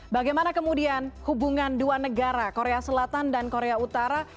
bagaimana kemudian hubungan dua negara korea selatan dan korea utara